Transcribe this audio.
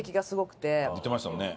言ってましたもんね。